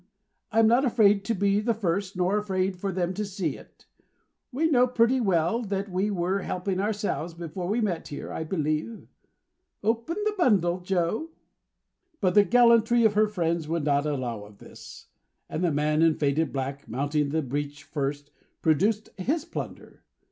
I'm not afraid to be the first, nor afraid for them to see it. We knew pretty well that we were helping ourselves, before we met here, I believe. Open the bundle, Joe." But the gallantry of her friends would not allow of this; and the man in faded black, mounting the breach first, produced his plunder.